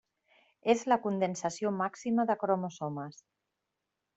És la condensació màxima de cromosomes.